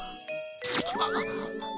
あっ。